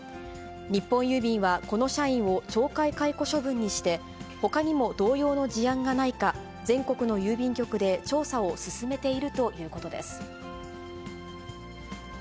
日本郵便はこの社員を懲戒解雇処分にして、ほかにも同様の事案がないか、全国の郵便局で調査を進めているということです。